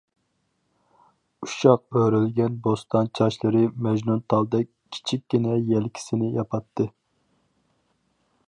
ئۇششاق ئۆرۈلگەن بوستان چاچلىرى مەجنۇنتالدەك كىچىككىنە يەلكىسىنى ياپاتتى.